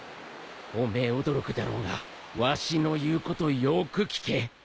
おめえ驚くだろうがわしの言うことをよく聞け